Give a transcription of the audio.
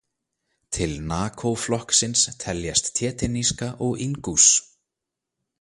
Til nakó-flokksins teljast téténíska og ingúss.